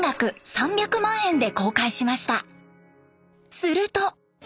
すると。